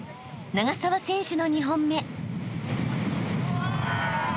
［長沢選手の２本目］